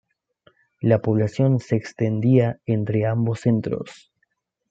La población se extendía entre ambos centros.